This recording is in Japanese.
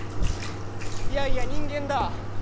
「いやいや人間だ」